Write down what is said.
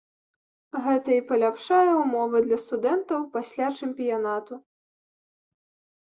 Гэта і паляпшае ўмовы для студэнтаў пасля чэмпіянату.